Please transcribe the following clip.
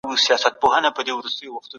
په تېر وخت کي روژې او کليمې ماتې سوې.